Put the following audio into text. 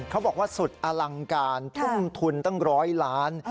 เขาบอกว่าสุดอลังการทุ่มทุนตั้งร้อยล้าน